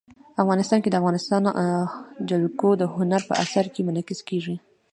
افغانستان کې د افغانستان جلکو د هنر په اثار کې منعکس کېږي.